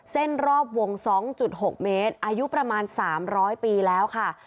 เส้นรอบวง๒๖เมตรอายุประมาณ๓๐๐ปีแล้วค่ะ